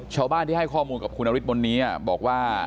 ชาวบ้านที่ให้ข้อมูลกับคุณนฤทธิบนนี้บอกว่า